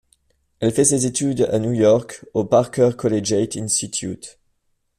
Elle fait ses études à New York au Packer Collegiate Institute.